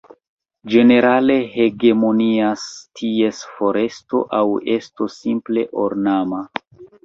Ĝenerale hegemonias ties foresto aŭ esto simple ornama.